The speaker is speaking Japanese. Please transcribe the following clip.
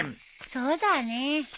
そうだね。